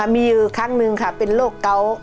มีอยู่ครั้งหนึ่งค่ะเป็นโรคเกาะ